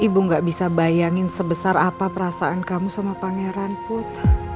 ibu gak bisa bayangin sebesar apa perasaan kamu sama pangeran put